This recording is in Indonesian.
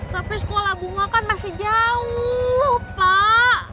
tapi sekolah bunga kan masih jauh pak